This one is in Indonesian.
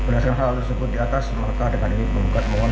dan tidak dapat dihukum